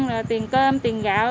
tiền ăn tiền cơm tiền gạo